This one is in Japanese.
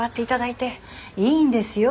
いいんですよ